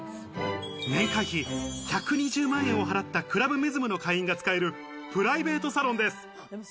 年会費１２０万円を払ったクラブメズムの会員が使えるプライベートサロンです。